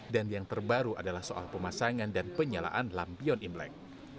dan yang terbaru adalah soal pemasangan dan penyalaan lampion imlek